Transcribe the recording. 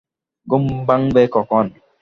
ঘুম ভাঙবে কখন?